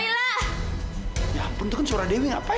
iya masuk dulu mbak